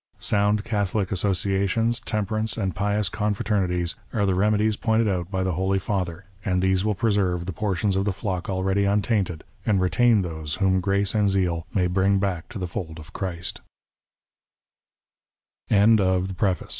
Sound Catholic asso ciations, temperance, and pious confraternities, are the remedies pointed out by the Holy Father, and these will preserve the portions of the flock already untainted, and retain those whom grace and zeal may bring back to the Eold